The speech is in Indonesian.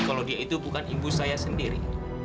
kalau dia itu bukan ibu saya sendiri